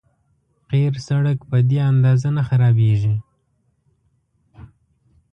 قیر سړک په دې اندازه نه خرابېږي.